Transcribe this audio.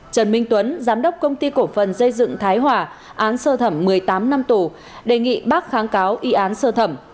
trần minh tuấn giám đốc công ty cổ phần dây dựng thái hòa án sơ thẩm một mươi tám năm tù đề nghị bác kháng cáo y án sơ thẩm